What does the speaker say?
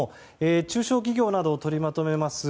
中小企業などを取りまとめます